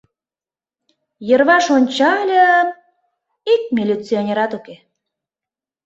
Йырваш ончальым — ик милиционерат уке.